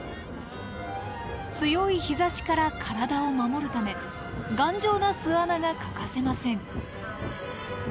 強い日ざしから体を守るため頑丈な巣穴が欠かせません。